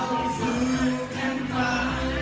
จากประธานสโมงศรอย่างมดรแป้งคุณดนทันร่ำ๓ครับ